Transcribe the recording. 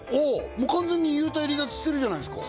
もう完全に幽体離脱してるじゃないですか